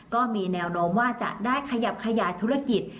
ก็มีแนวโน้มว่าจะได้ขยับขยายธุรกิจ